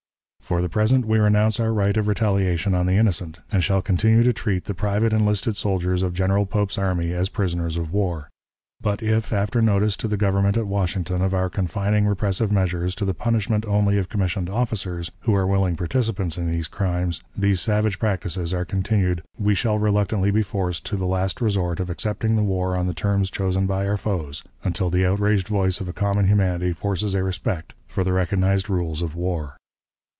"For the present, we renounce our right of retaliation on the innocent, and shall continue to treat the private enlisted soldiers of General Pope's army as prisoners of war; but if, after notice to the Government at Washington of our confining repressive measures to the punishment only of commissioned officers, who are willing participants in these crimes, these savage practices are continued, we shall reluctantly be forced to the last resort of accepting the war on the terms chosen by our foes, until the outraged voice of a common humanity forces a respect for the recognized rules of war.